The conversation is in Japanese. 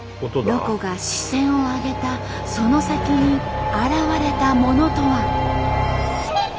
ロコが視線を上げたその先に現れたものとは。